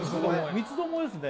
三つどもえですね